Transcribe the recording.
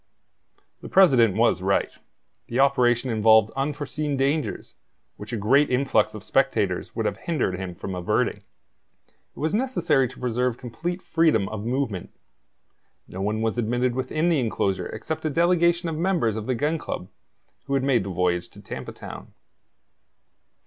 The president was right. The operation involved unforeseen dangers, which a great influx of spectators would have hindered him from averting. It was necessary to preserve complete freedom of movement. No one was admitted within the enclosure except a delegation of members of the Gun Club, who had made the voyage to Tampa Town.